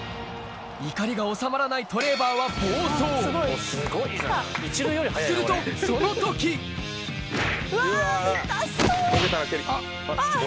怒りが収まらないトレーバーはするとその時わ痛そう。